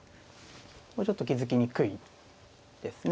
ちょっと気付きにくいですね。